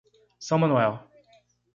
São Manuel